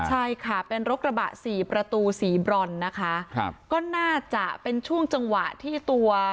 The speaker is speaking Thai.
ใช่ค่ะเป็นรถกระบะสี่ประตูสีบรอนนะคะครับก็น่าจะเป็นช่วงจังหวะที่ตัว